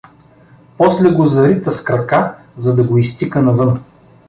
После го зарита с крака, за да го изтика навън.